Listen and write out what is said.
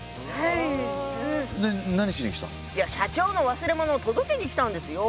いや社長の忘れ物を届けにきたんですよ。